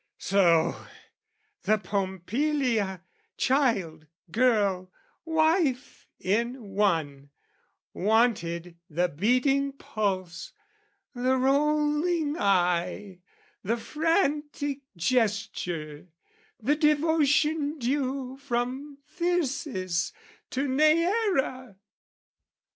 So, the Pompilia, child, girl, wife, in one, Wanted the beating pulse, the rolling eye, The frantic gesture, the devotion due From Thyrsis to NeAera!